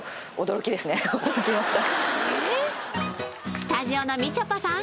スタジオのみちょぱさん